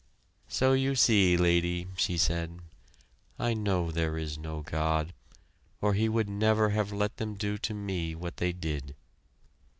"So you see, Lady," she said, "I know there is no God, or He would never have let them do to me what they did.